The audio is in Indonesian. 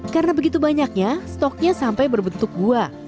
karena begitu banyaknya stoknya sampai berbentuk buah